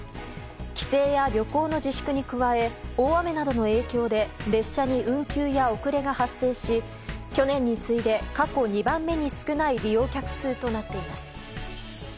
帰省や旅行の自粛に加え大雨などの影響で列車に運休や遅れが発生し去年に次いで過去２番目に少ない利用客数となっています。